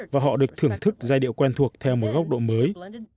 và họ được thưởng thức giai điệu quen thuộc theo một góc độ mới